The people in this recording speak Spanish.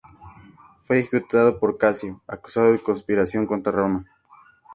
Fue ejecutado por Casio, acusado de conspiración contra Roma.